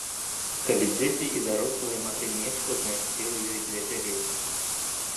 Каб і дзеці і дарослыя маглі нешта знайсці ў ёй для сябе.